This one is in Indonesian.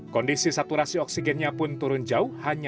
kondisi saturasi oksigennya pun turun jauh hanya tiga puluh empat